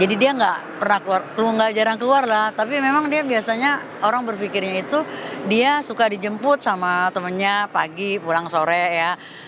jadi dia gak pernah keluar lu gak jarang keluar lah tapi memang dia biasanya orang berfikirnya itu dia suka dijemput sama temennya pagi pulang sore ya